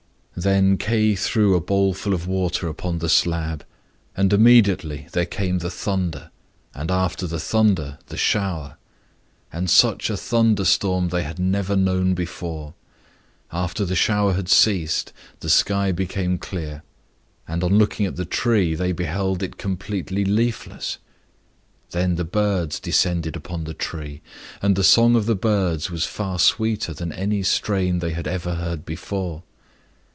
Then Kay threw a bowlful of water upon the slab, and immediately there came the thunder, and after the thunder the shower. And such a thunder storm they had never known before. After the shower had ceased, the sky became clear, and on looking at the tree, they beheld it completely leafless. Then the birds descended upon the tree. And the song of the birds was far sweeter than any strain they had ever heard before.